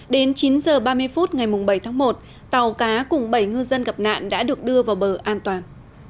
đến chín h ba mươi phút ngày bảy tháng một tàu cá cùng bảy ngư dân gặp nạn đã được đưa vào bờ an toàn